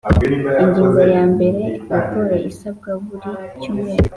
Ingingo ya mbere Raporo isabwa buri cyumweru